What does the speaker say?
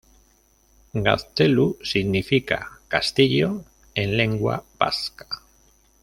Gaztelu significa "castillo" en lengua vasca.